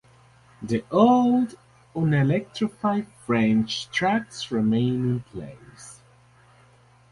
The old, unelectrified, French tracks remain in place.